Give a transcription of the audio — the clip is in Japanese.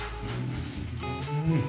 うん。